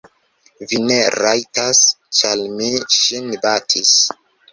Vi ne rajtas, ĉar vi ŝin batis.